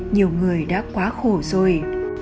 nhiều người đã quá khổ rồi